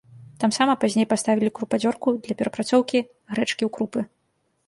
Тамсама пазней паставілі крупадзёрку для перапрацоўкі грэчкі ў крупы.